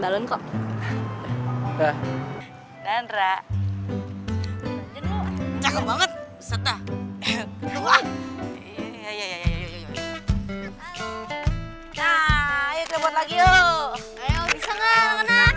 kalo ngak nyeri itu cuma ketika lu guardian gitu kan